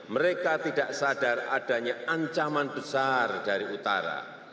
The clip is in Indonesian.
mereka tidak sadar adanya ancaman besar dari utara